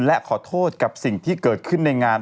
และขอโทษกับสิ่งที่เกิดขึ้นในงาน